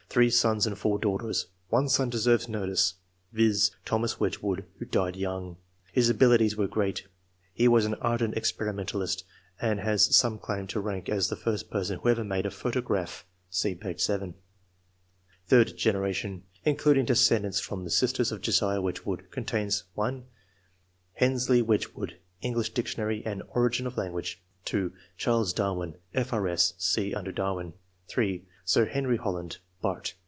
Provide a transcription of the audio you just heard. — 3 sons and 4 daughters ; 1 son deserves notice, viz. : Thomas Wedgewood, who died young. His abilities were great ; he was an ardent experimentalist, and has some claim to rank as the first person who ever made a photograph. (See p. 7.) Third generation, including descendants from the sisters of Josiah Wedgewood, contains :— (1) Hensleigh Wedgewood (English Dictionary and "Origin of Language"); (2) Charles Darwin, F.RS. (see under Darwin) ; (3) Sir Henry Hol land, Bart.